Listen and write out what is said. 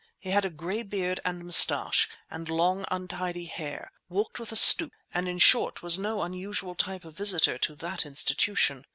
He had a gray beard and moustache, and long, untidy hair, walked with a stoop, and in short was no unusual type of Visitor to that institution.